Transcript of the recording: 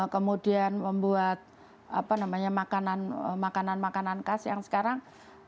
kemudian membuat apa namanya makanan makanan kas yang sekarang